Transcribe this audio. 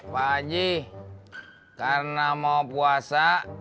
pak haji karena mau puasa